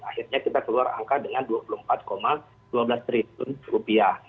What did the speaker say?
akhirnya kita keluar angka dengan dua puluh empat dua belas triliun rupiah